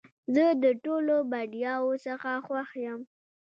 زه د ټولو بریاوو څخه خوښ یم .